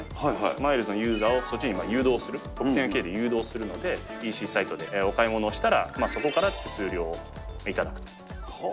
マイルズのユーザーをそっちに誘導する、特典を誘導するので、ＥＣサイトでお買い物をしたら、そこから手数料を頂くと。